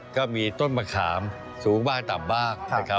ก็มีต้นมะขามสูงบ้างต่ำบ้าง